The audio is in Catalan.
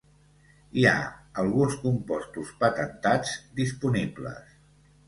Hi ha alguns compostos patentats disponibles.